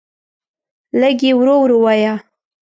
لږ یی ورو ورو وایه